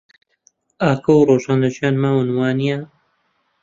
ئاکۆ و ڕۆژان لە ژیان ماون، وانییە؟